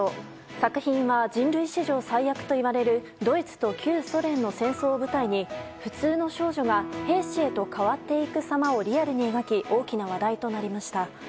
作品は人類史上最悪といわれるドイツと旧ソ連の戦争を舞台に普通の少女が兵士へと変わっていくさまをリアルに描き大きな話題となりました。